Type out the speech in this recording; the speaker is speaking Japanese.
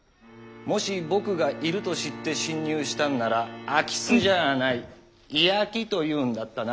もし僕が居ると知って侵入したんなら空き巣じゃあない居空きというんだったな。